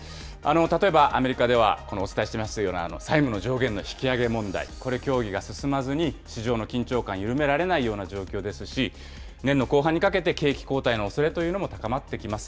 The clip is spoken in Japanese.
例えばアメリカでは、お伝えしましたような、債務の上限の引き上げ問題、これ、協議が進まずに、市場の緊張感を緩められないような状況ですし、年の後半にかけて、景気後退のおそれというのも高まってきます。